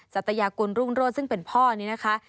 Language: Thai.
สัตยากุลรุ่งโรศซึ่งเป็นพ่อนี้นะคะ